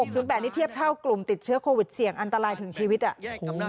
นี่เทียบเท่ากลุ่มติดเชื้อโควิดเสี่ยงอันตรายถึงชีวิตอ่ะ